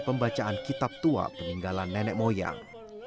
pembacaan kitab tua peninggalan nenek moyang